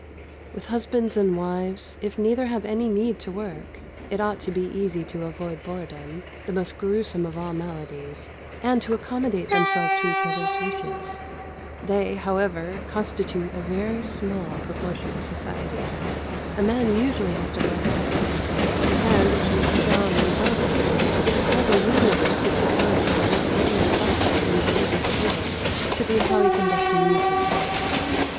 With husbands and wives, if neither have any need to work, it ought to be easy to avoid boredom (the most gruesome of all maladies), and to accommodate themselves to each other's wishes. They, however, constitute a very small proportion of society. A man usually has to work all day, and, if he is strong and healthy, it is hardly reasonable to suppose that his only thought, when his work is over, should be how he can best amuse his wife.